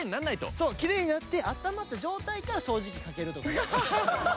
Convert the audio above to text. そうキレイになってあったまった状態から掃除機かけるとかね。